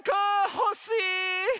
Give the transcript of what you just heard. ほしい！